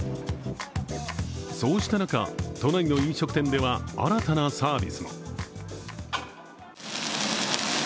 そうした中、都内の飲食店では新たなサービスも。